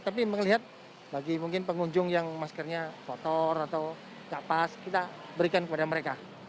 tapi melihat bagi mungkin pengunjung yang maskernya kotor atau tidak pas kita berikan kepada mereka